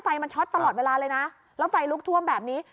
ไฟมันช็อตตลอดเวลาเลยนะแล้วไฟลุกท่วมแบบนี้